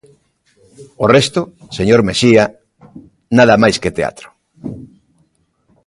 O resto, señor Mexía, nada máis que teatro.